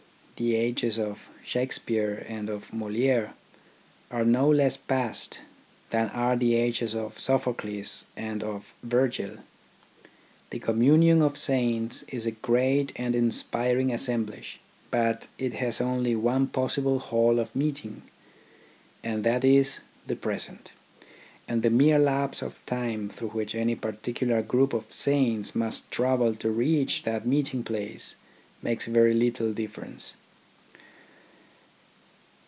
The ages of Shakespeare and of Moliere are no less past than are the ages of Sophocles and of Virgil. The communion of saints is a great and inspiring assemblage, but it has only one possible hall of meeting, and that is, the present; and the mere lapse of time through which any particular group of saints must travel to reach that meeting place, makes very little difference.